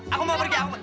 aku mau pergi aku mau